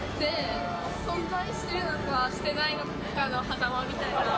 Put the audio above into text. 存在してるのか、してないのかのはざまみたいな。